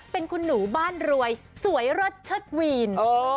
เป็นคุณหนูบ้านรวยสวยเลิศเชิดวีน